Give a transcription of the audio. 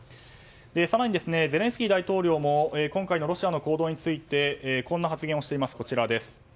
更に、ゼレンスキー大統領も今回のロシアの行動についてこんな発言をしています。